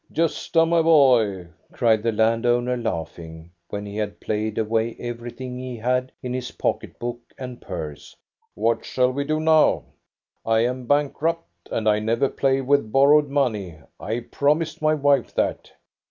" Gosta, my boy," cried the land owner, laughing, when he had played away everything he had in his pocket book and purse, "what shall we do now? I am bankrupt, and I never play with borrowed money. I promised my wife that."